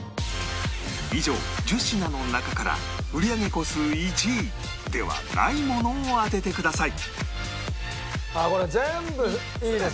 以上１０品の中から売り上げ個数１位ではないものを当ててください